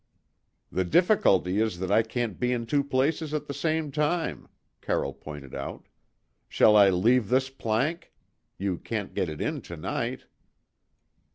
"The difficulty is that I can't be in two places at the same time," Carroll pointed out. "Shall I leave this plank? You can't get it in to night."